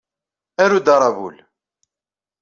Aru-d aṛabul.